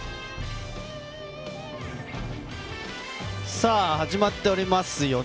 さあ、始まっておりますよね？